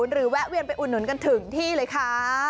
๐๙๒๗๙๗๒๙๑๐หรือแวะเวียนไปอุดหนุนกันถึงที่เลยค่ะ